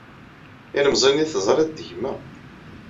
Ilemẓi-nni ay teẓriḍ d gma.